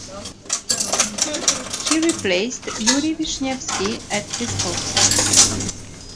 He replaced Yury Vishnevsky at this post.